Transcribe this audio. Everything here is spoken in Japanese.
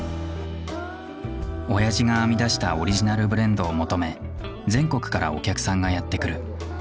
おやじが編み出したオリジナルブレンドを求め全国からお客さんがやって来る。